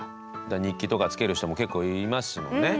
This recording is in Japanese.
日記とかつける人も結構いますもんね。